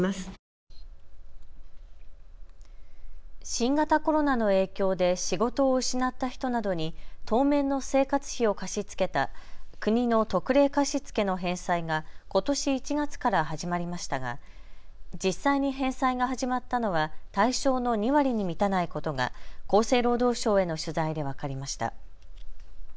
新型コロナの影響で仕事を失った人などに当面の生活費を貸し付けた国の特例貸付の返済がことし１月から始まりましたが実際に返済が始まったのは対象の２割に満たないことが厚生労働省への取材で分かりました。